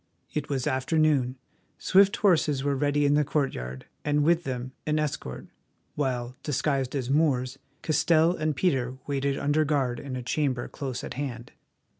It was afternoon, swift horses were ready in the courtyard, and with them an escort, while, disguised as Moors, Castell and Peter waited under guard in a chamber close at hand.